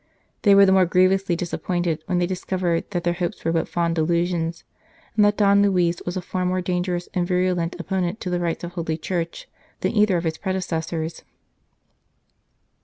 They were the more 105 St. Charles Borromeo grievously disappointed when they discovered that their hopes were but fond delusions, and that Don Luis was a far more dangerous and virulent opponent to the rights of Holy Church than either of his predecessors.